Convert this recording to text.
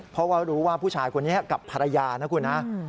เพราะว่ารู้ว่าผู้ชายคนนี้กับภรรยานะคุณนะ